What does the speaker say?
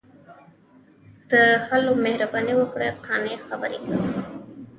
ـ هلو، مهرباني وکړئ، قانع خبرې کوم.